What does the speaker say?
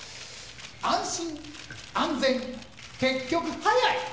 「安心安全結局速い！」